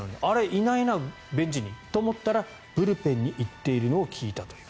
いないな、ベンチにと思ったらブルペンに行っているのを聞いたという。